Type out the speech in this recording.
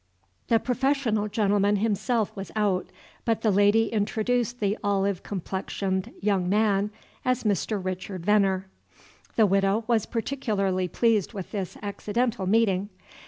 The professional gentleman himself was out, but the lady introduced the olive complexioned young man as Mr. Richard Venner. The Widow was particularly pleased with this accidental meeting.